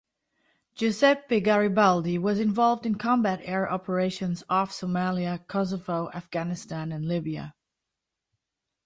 "Giuseppe Garibaldi" was involved in combat air operations off Somalia, Kosovo, Afghanistan and Libya.